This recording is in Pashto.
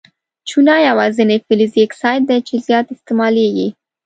چونه یوازیني فلزي اکساید دی چې زیات استعمالیږي.